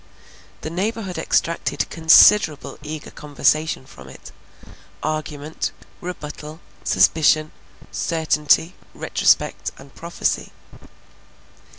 The neighborhood extracted considerable eager conversation from it; argument, rebuttal, suspicion, certainty, retrospect, and prophecy.